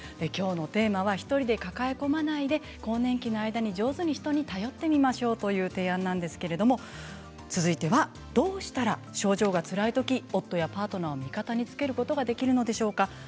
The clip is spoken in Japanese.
きょうのテーマは１人で抱え込まないで更年期の間に上手に人に頼ってみましょうという提案なんですけれども続いてはどうしたら症状がつらいとき夫やパートナーを味方につけることができるのでしょうか。